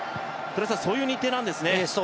そういう日程なんですね。